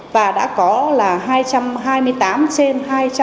và đã có là hai trăm hai mươi tám trên hai trăm hai mươi tám